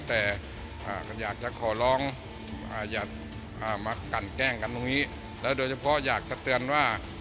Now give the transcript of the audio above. แต่อยากจะขอร้องอย่ามากันแกล้งกันตรงนี้แล้วโดยเฉพาะอยากจะเตือนว่า